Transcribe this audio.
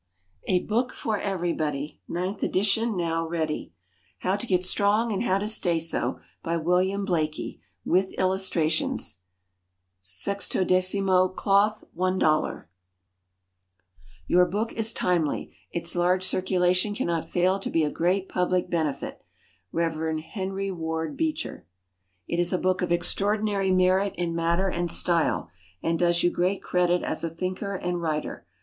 _ A BOOK FOR EVERYBODY. Ninth Edition now Ready. =HOW TO GET STRONG, AND HOW TO STAY SO.= By WILLIAM BLAIKIE. With Illustrations. 16mo, Cloth, $1.00. Your book is timely. Its large circulation cannot fail to be of great public benefit. Rev. HENRY WARD BEECHER. It is a book of extraordinary merit in matter and style, and does you great credit as a thinker and writer.